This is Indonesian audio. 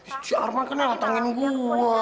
si arman kenapa nyalain gue